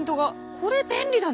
これ便利だね。